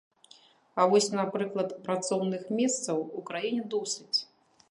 А вось, напрыклад, працоўных месцаў у краіне досыць.